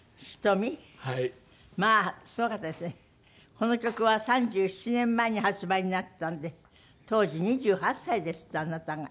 この曲は３７年前に発売になったんで当時２８歳ですってあなたが。